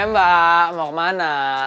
eh mbak mau kemana